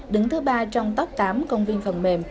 đứng thứ ba trong top tám công viên phần mềm